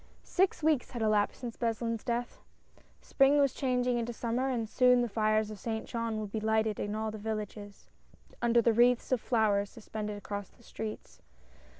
S IX weeks had elapsed since Beslin's death. Spring was changing into Summer, and soon the fires of Saint Jean would be lighted in all the villages, under the wreaths of flowers suspended across the streets.